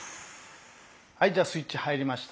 はいじゃあスイッチ入りました。